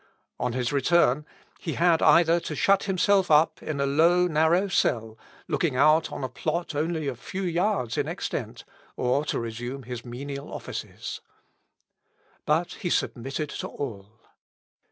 On his return, he had either to shut himself up in a low narrow cell, looking out on a plot only a few yards in extent, or to resume his menial offices. But he submitted to all.